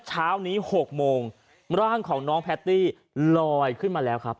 เช้านี้๖โมงร่างของน้องแพตตี้ลอยขึ้นมาแล้วครับ